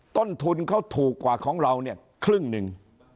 ต้นทุนเขาถูกกว่าของเราเนี่ยครึ่งหนึ่ง